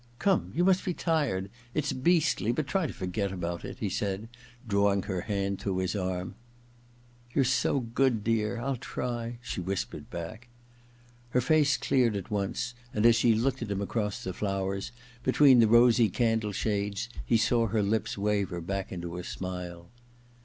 * Come — ^you must be tired. It's beastly, but try to forget about it,' he said, drawing her hand through his arm. * You're so good, dear. I'll try,' she whis pered back. Her face cleared at once, and as she looked '■i THE OTHER TWO 47 at him across the flowers, between the rosy candle shades, he saw her lips waver back into a smile.